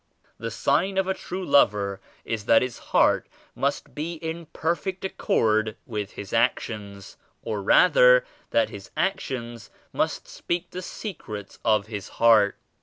"The sign of a true lover is that his heart must be in perfect accord with his actions, or rather that his actions must speak the secrets of his heart.